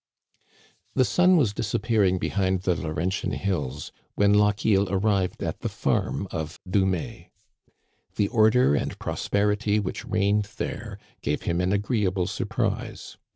The sun was disappearing behind the Laurentian hills, when Lochiel arrived at the farm of Dumais. The order and prosperity which reigned there gave him an agreeable surprise.